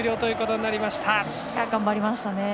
頑張りましたね。